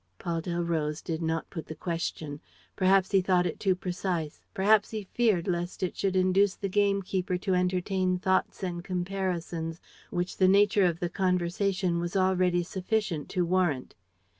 Paul Delroze did not put the question. Perhaps he thought it too precise, perhaps he feared lest it should induce the gamekeeper to entertain thoughts and comparisons which the nature of the conversation was already sufficient to warrant.